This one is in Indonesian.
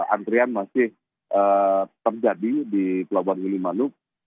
antrian masih terjadi di pelabuhan gili manuk